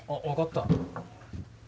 分かった。